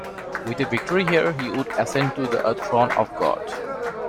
With a victory here, he would ascend to the throne of God.